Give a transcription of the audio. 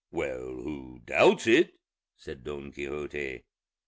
"Well, who doubts it?" said Don Quixote.